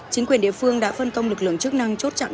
chính quyền địa phương đã phân công lực lượng chức năng chốt chặn